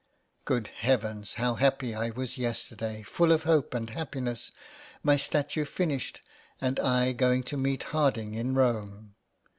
*' Good Heavens ! How happy I was yesterday, full of hope and happiness, my statue finished, and I going to meet Harding in Rome.